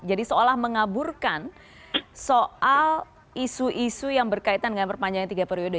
jadi seolah mengaburkan soal isu isu yang berkaitan dengan perpanjangan tiga periode